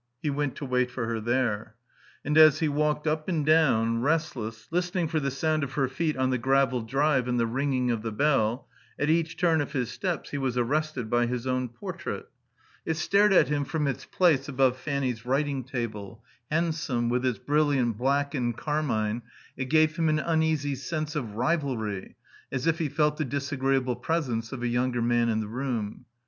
He went to wait for her there. And as he walked up and down, restless, listening for the sound of her feet on the gravel drive and the ringing of the bell, at each turn of his steps he was arrested by his own portrait. It stared at him from its place above Fanny's writing table; handsome, with its brilliant black and carmine, it gave him an uneasy sense of rivalry, as if he felt the disagreeable presence of a younger man in the room.